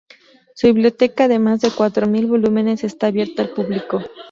Su biblioteca de más de cuatro mil volúmenes está abierta al público.